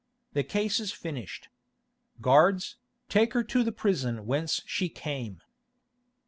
The case is finished. Guards, take her to the prison whence she came."